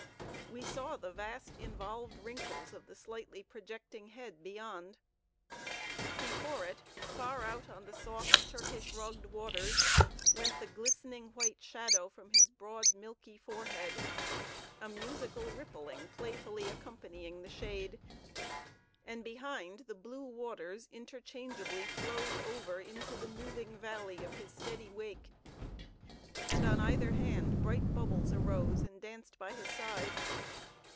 We saw the vast involved wrinkles of the slightly projecting head beyond. Before it, far out on the soft Turkish rugged waters, went the glistening white shadow from his broad, milky forehead, a musical rippling playfully accompanying the shade; and behind, the blue waters interchangeably flowed over into the moving valley of his steady wake; and on either hand bright bubbles arose and danced by his side.